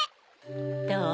どう？